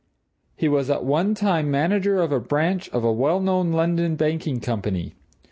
He was at one time manager of a branch of a well known London banking company.